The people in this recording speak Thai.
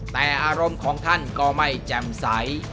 แต่อารมณ์ของท่านก็ไม่แจ่มใส